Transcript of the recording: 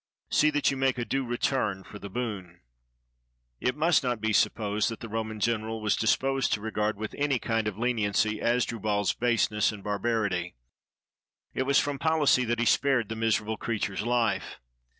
*'See that you make a due return for the boon." It must not be supposed that the Roman general was disposed to regard with any kind of leniency Hasdru 294 THE FALL OF CARTHAGE bal's baseness and barbarity. It was from policy that he spared the miserable creature's life.